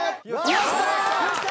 やったー！